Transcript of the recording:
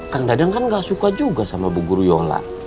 kadang kadang kan gak suka juga sama bu guru yola